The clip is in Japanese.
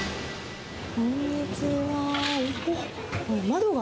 こんにちは。